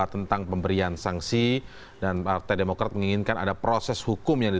tetap bersama kami